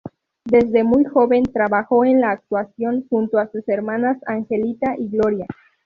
Desde muy joven trabajó en la actuación junto a sus hermanas Angelita y Gloria.